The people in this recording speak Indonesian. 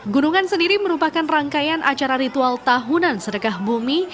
gunungan sendiri merupakan rangkaian acara ritual tahunan sedekah bumi